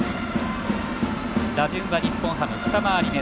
打順は日本ハム、２巡目。